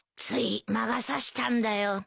つい魔が差したんだよ。